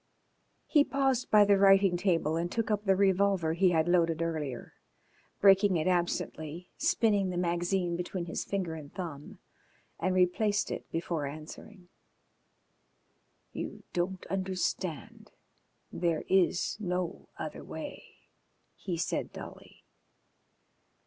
He paused by the writing table and took up the revolver he had loaded earlier, breaking it absently, spinning the magazine between his finger and thumb, and replaced it before answering. "You don't understand. There is no other way," he said dully.